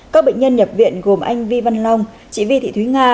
các bệnh nhân nhập viện gồm anh vi văn long chị vi thị thúy nga